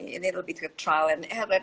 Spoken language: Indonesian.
ini lebih ke trial and error